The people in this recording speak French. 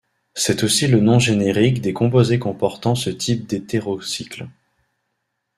C'est aussi le nom générique des composés comportant ce type d'hétérocycle.